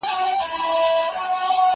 دا نان له هغه تازه دی!.